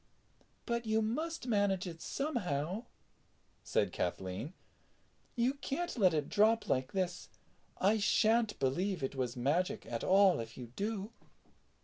"But you must manage it somehow," said Kathleen; "you can't let it drop like this. I shan't believe it was magic at all if you do."